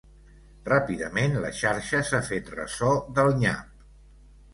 Ràpidament, la xarxa s’ha fet ressò del nyap.